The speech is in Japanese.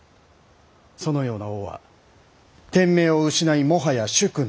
そのような王は天命を失いもはや主君ではない。